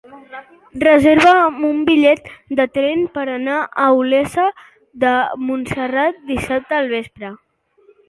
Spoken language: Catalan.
Reserva'm un bitllet de tren per anar a Olesa de Montserrat dissabte al vespre.